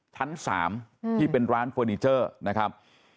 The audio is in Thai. ชั้น๓ที่เป็นร้านเฟอร์นิเจอร์นะครับ